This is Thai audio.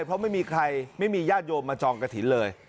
เพราะไม่มีใครไม่มีญาติโยมมาจองกระถิ่นเลย